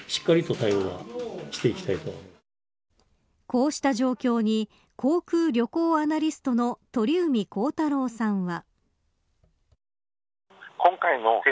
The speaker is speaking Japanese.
こうした状況に航空・旅行アナリストの鳥海高太朗さんは。